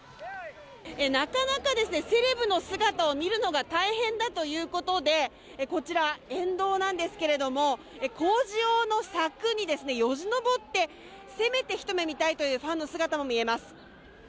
なかなかセレブの姿を見るのが大変だということでこちら沿道なんですけれども工事用の柵によじ登ってせめて一目見たいというファンの姿も見えます。